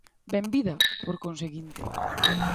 Benvida, por conseguinte.